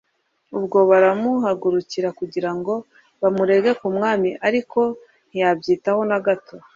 ubwo baramuhagurukira kugira ngo bamurege ku mwami, ariko we ntiyabyitaho na gato